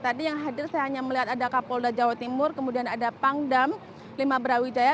tadi yang hadir saya hanya melihat ada kapolda jawa timur kemudian ada pangdam lima brawijaya